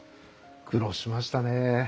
苦労しましたね。